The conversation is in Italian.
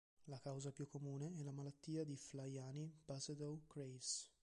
La causa più comune è la malattia di Flaiani-Basedow-Graves.